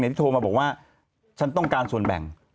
ที่โทรมาบอกว่าฉันต้องการส่วนแบ่ง